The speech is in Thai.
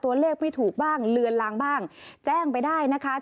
ตัวเลขไม่ถูกบ้างเลือนลางบ้างแจ้งไปได้นะคะ